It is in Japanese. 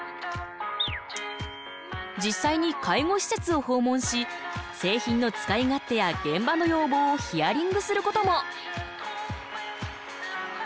実際に介護施設を訪問し製品の使い勝手や現場の要望をヒアリングすることも。